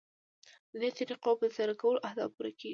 ددې طریقو په ترسره کولو اهداف پوره کیږي.